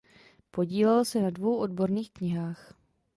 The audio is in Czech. Podílel se na dvou odborných knihách.